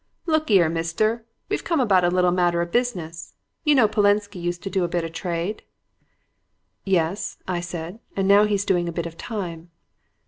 "'Look, 'ere, mister, we've come about a little matter of business. You know Polensky used to do a bit of trade?' "'Yes,' I said; 'and now he's doing a bit of time.'